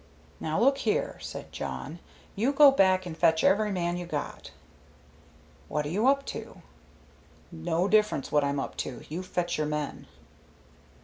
"Now look here," said Jawn. "You go back and fetch every man you got." "What are you up to?" "No difference what I'm up to. You fetch your men."